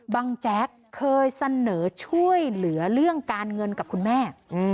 แจ๊กเคยเสนอช่วยเหลือเรื่องการเงินกับคุณแม่